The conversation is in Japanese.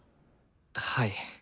はい。